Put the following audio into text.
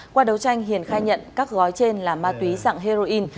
qua đấu tranh hiền khai nhận các gói trên là ma túy dạng heroin